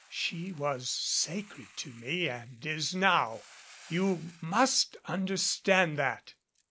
She was sacred to me and is now. You must understand that."